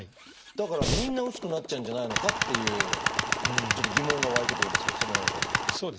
だからみんな薄くなっちゃうんじゃないのかっていうちょっと疑問が湧いてくるんですけどその辺はいかがですか？